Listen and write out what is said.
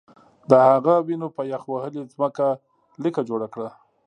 د هغه وینو په یخ وهلې ځمکه لیکه جوړه کړه